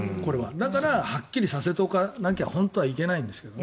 だからはっきりさせておかなきゃ本当はいけないんですが。